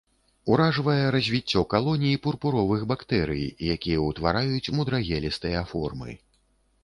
Уражвае развіццё калоній пурпуровых бактэрый, якія ўтвараюць мудрагелістыя формы.